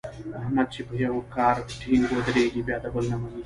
احمد چې په یوه کار ټینګ ودرېږي بیا د بل نه مني.